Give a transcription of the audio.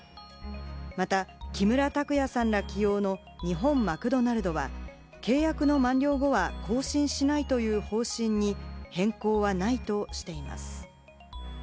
また木村拓哉さん起用の日本マクドナルドは契約の満了後は更新しないという方針に変更はないとしています。